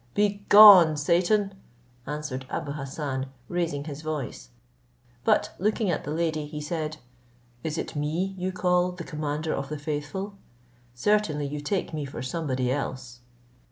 "Begone, Satan!" answered Abou Hassan, raising his voice; but looking at the lady, he said, "Is it me you call the commander of the faithful? Certainly you take me for somebody else."